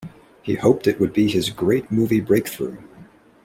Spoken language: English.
He hoped it would be his great movie breakthrough.